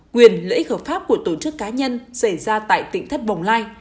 quyền lợi ích hợp pháp của tổ chức cá nhân xảy ra tại tỉnh thất bồng lai